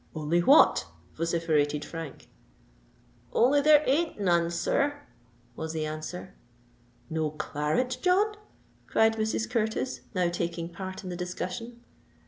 "Only what?" vociferated Frank. "Only there ain't none, sir," was the answer. "No claret, John?" cried Mrs. Curtis, now taking part in the discussion.